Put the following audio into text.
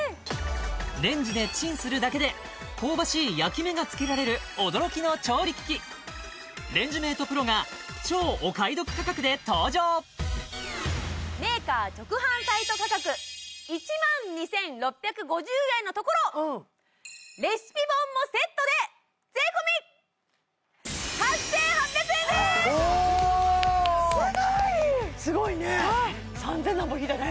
レンジでチンするだけで香ばしい焼き目がつけられる驚きの調理機器レンジメートプロが超お買い得価格で登場メーカー直販サイト価格１２６５０円のところレシピ本もセットでおおスゴいスゴいね３千なんぼ引いたね